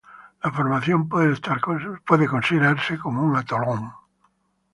La formación puede ser considerada como un atolón.